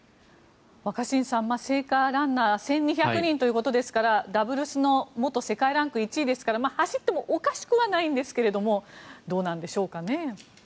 若新さん、聖火ランナー１２００人ということですからダブルスの元世界ランク１位ですから走ってもおかしくはないんですがどうなんでしょうかね。